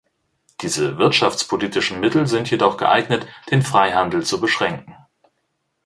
Diese wirtschaftspolitischen Mittel sind jedoch geeignet, den Freihandel zu beschränken.